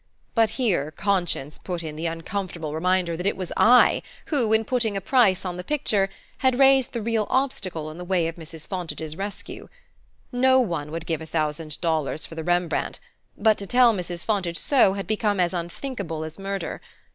But here conscience put in the uncomfortable reminder that it was I who, in putting a price on the picture, had raised the real obstacle in the way of Mrs. Fontage's rescue. No one would give a thousand dollars for the Rembrandt; but to tell Mrs. Fontage so had become as unthinkable as murder.